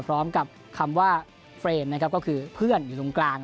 พร้อมกับคำว่าเฟรมนะครับก็คือเพื่อนอยู่ตรงกลาง